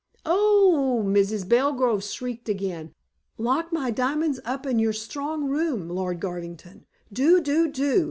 "Oh!" Mrs. Belgrove shrieked again. "Lock my diamonds up in your strong room, Lord Garvington. Do! do! do!